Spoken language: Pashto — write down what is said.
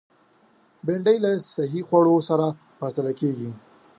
بېنډۍ له صحي خوړو سره پرتله کېږي